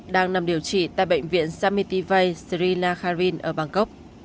đang nằm điều trị tại bệnh viện samitivai srinakharin ở bangkok